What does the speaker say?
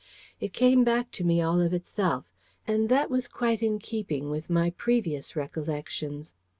It came back to me all of itself. And that was quite in keeping with my previous recollections.